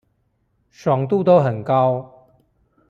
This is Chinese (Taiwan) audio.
爽度都很高